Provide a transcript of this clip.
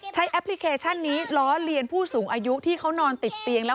แอปพลิเคชันนี้ล้อเลียนผู้สูงอายุที่เขานอนติดเตียงแล้ว